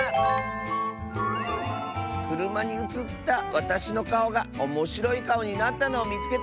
「くるまにうつったわたしのかおがおもしろいかおになったのをみつけた！」。